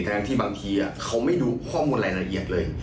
ทั้งที่บางทีเขาไม่รู้ข้อมูลรายละเอียดเลย